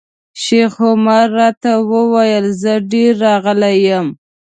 شیخ عمر راته وویل زه ډېر راغلی یم.